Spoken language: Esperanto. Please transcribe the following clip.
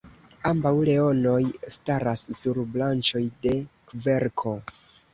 Ambaŭ leonoj staras sur branĉoj de kverko.